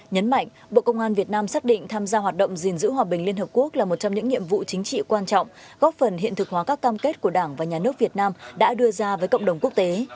nhấn mạnh bộ công an việt nam xác định tham gia hoạt động gìn giữ hòa bình liên hợp quốc là một trong những nhiệm vụ chính trị quan trọng góp phần hiện thực hóa các cam kết của đảng và nhà nước việt nam đã đưa ra với cộng đồng quốc tế